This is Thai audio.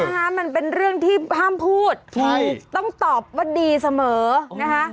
มันเป็นเรื่องที่ห้ามพูดใช่ต้องตอบว่าดีเสมอนะคะ